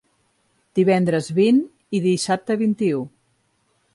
Divendres vint i dissabte vint-i-u.